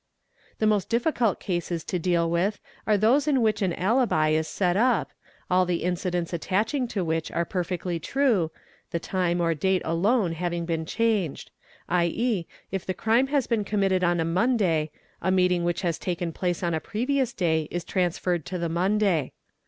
The most difficult cases to deal with are those in which an alibi is 7 set up, all the incidents attaching to which are perfectly true, the time or date alone having been changed; 1.e., if the crime has been com mitted on a Monday, a meeting which has taken place on a previous day is transferred to the Monday.